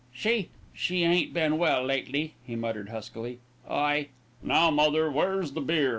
"She she ain't been well lately," he muttered huskily. "I " "Now, mother, where's the beer?